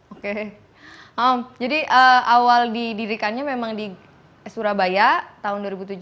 oke jadi awal didirikannya memang di surabaya tahun dua ribu tujuh belas